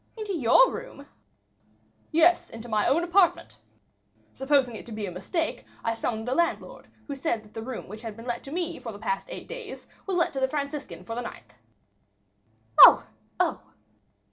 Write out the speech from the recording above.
"Into your room?" "Yes, into my own apartment. Supposing it to be a mistake, I summoned the landlord, who said that the room which had been let to me for the past eight days was let to the Franciscan for the ninth." "Oh, oh!"